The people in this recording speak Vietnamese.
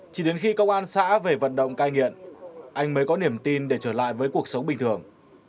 chỉ đến khi công an xã về vận động cai nghiện anh mới có niềm tin để trở lại với cuộc sống bình thường